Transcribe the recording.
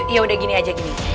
ya udah gini aja gini